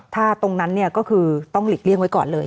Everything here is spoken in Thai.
ถ้าตรงนั้นเนี่ยก็คือต้องหลีกเลี่ยงไว้ก่อนเลย